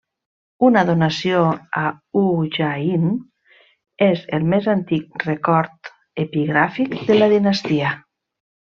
Una donació a Ujjain és el més antic record epigràfic de la dinastia.